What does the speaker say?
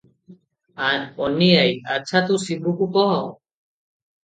ଅନୀ ଆଈ - ଆଚ୍ଛା, ତୁ ଶିବୁକୁ କହ ।